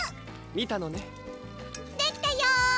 見たのねできたよ